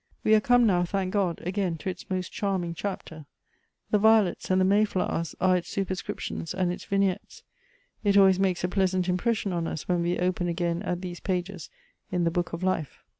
We are come now, thank God, again to its most charming chapter. The violets and the may flowers are its superscriptions and its vignettes. It always makes a pleasant imjircssion on us when we open again at these pages in the book of life."